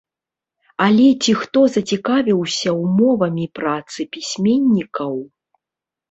Але ці хто зацікавіўся ўмовамі працы пісьменнікаў?